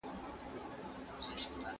¬ غوړ پر غوړ توئېږي، نه پر تورو خاورو.